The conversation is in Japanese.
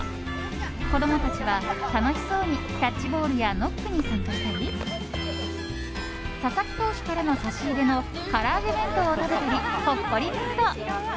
子供たちは楽しそうにキャッチボールやノックに参加したり佐々木投手からの差し入れのから揚弁当を食べたりほっこりムード。